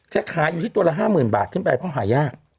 จะขายอยู่ที่ตัวละ๕หมื่นบาทขึ้นไปก็หายาก